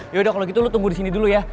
yaudah kalau gitu lu tunggu di sini dulu ya